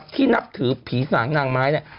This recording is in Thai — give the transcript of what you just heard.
นับถือผีสางนางไม้เนี่ย